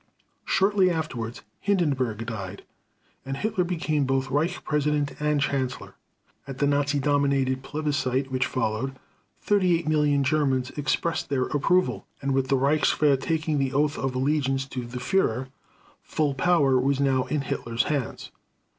Shortly afterwards Hindenburg died, and Hitler became both Reich President and Chancellor. At the Nazi dominated plebiscite, which followed, 38 million Germans expressed their approval, and with the Reichswehr taking the oath of allegiance to the Führer, full power was now in Hitler's hands.